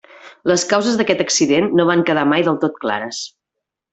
Les causes d'aquest accident no van quedar mai del tot clares.